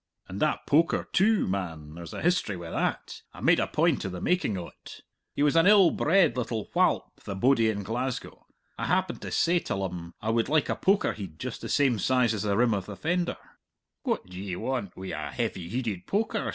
"And that poker, too; man, there's a history wi' that. I made a point of the making o't. He was an ill bred little whalp, the bodie in Glasgow. I happened to say till um I would like a poker heid just the same size as the rim of the fender! 'What d'ye want wi' a heavy heided poker?'